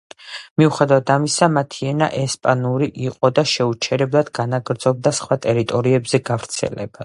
მიუხედავად ამისა მათი ენა ექსპანსიური იყო და შეუჩერებლად განაგრძობდა სხვა ტერიტორიებზე გავრცელებას.